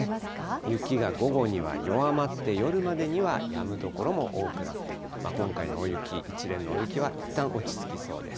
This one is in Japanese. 雪が午後には弱まって、夜までにはやむ所も多くなって、今回の大雪、一連の大雪はいったん落ち着きそうです。